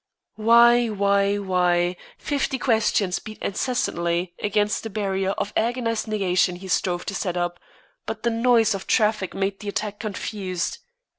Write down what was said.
Why why why fifty questions beat incessantly against the barrier of agonized negation he strove to set up, but the noise of traffic made the attack confused.